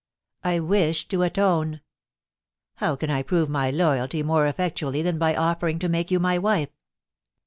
I wish to atone. How can I prove my loyalty more effectually than by offering to make you my wife